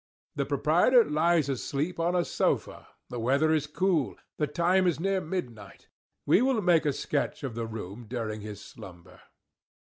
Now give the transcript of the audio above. The proprietor lies asleep on a sofa—the weather is cool—the time is near midnight: we will make a sketch of the room during his slumber.